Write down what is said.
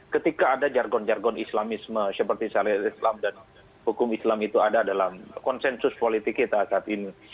ketika ada jargon jargon islamisme seperti syariah islam dan hukum islam itu ada dalam konsensus politik kita saat ini